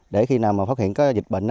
để khi nào mà phát hiện có dịch bệnh